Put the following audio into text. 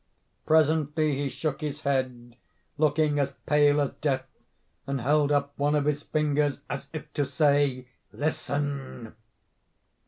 Presently he shook his head, looking as pale as death, and held up one of his fingers, as if to say _'listen!